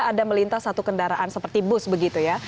ada melintas satu kendaraan seperti bus begitu ya